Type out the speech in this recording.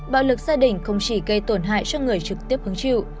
bạo lực gia đình không chỉ gây tổn hại cho người trực tiếp hứng chịu